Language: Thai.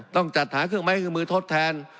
ต้องจัดหาเครื่องไม้เครื่องมือทดแทน